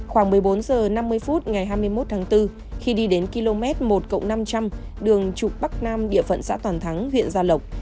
khoảng một mươi bốn h năm mươi phút ngày hai mươi một tháng bốn khi đi đến km một năm trăm linh đường trục bắc nam địa phận xã toàn thắng huyện gia lộc